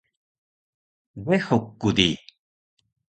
dehuk ku di